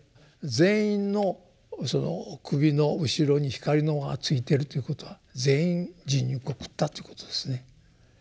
全員の首の後ろに光の輪がついてるということは全員人肉を食ったっていうことですね。